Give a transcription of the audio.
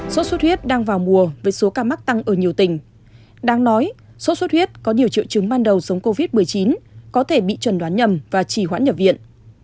sốt xuất huyết đang vào mùa với số ca mắc tăng ở nhiều tỉnh đáng nói sốt xuất huyết có nhiều triệu chứng ban đầu giống covid một mươi chín có thể bị chuẩn đoán nhầm và chỉ hoãn nhập viện